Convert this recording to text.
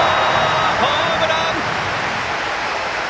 ホームラン！